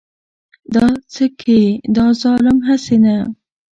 دا څه که يې دا ظالم هسې نه .